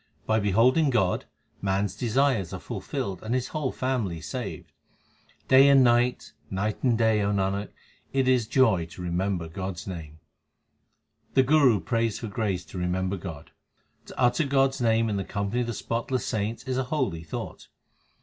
By beholding God, man s desires are fulfilled and his whole family saved. Day and night, night and day, O Nanak, it is joy to remember God s name. The Guru prays for grace to remember God : To utter God s name in the company of the spotless saints is a holy thought.